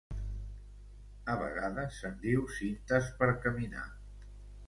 A vegades se'n diu cintes per caminar.